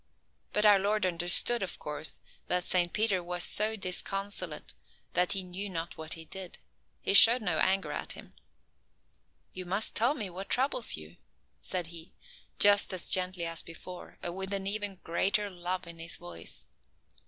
But our Lord understood, of course, that Saint Peter was so disconsolate that he knew not what he did. He showed no anger at him. "You must tell me what troubles you," said He, just as gently as before, and with an even greater love in His voice.